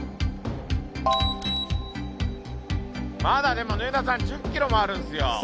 まだでも縫田さん１０キロもあるんですよ。